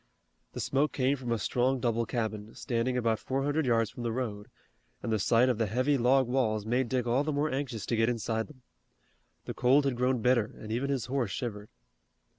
The smoke came from a strong double cabin, standing about four hundred yards from the road, and the sight of the heavy log walls made Dick all the more anxious to get inside them. The cold had grown bitter and even his horse shivered.